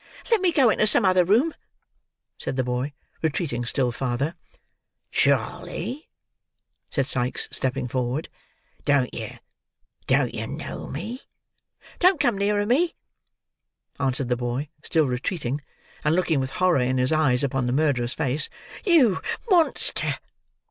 "Let me go into some other room," said the boy, retreating still farther. "Charley!" said Sikes, stepping forward. "Don't you—don't you know me?" "Don't come nearer me," answered the boy, still retreating, and looking, with horror in his eyes, upon the murderer's face. "You monster!"